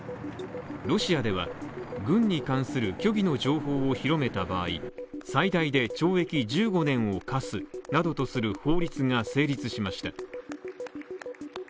ロシアでは、軍に関する虚偽の情報を広めた場合、最大で懲役１５年を科すなどとする法律が成立しました。